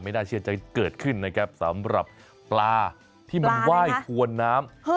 น่าเชื่อใจเกิดขึ้นนะครับสำหรับปลาที่มันไหว้ถวนน้ำ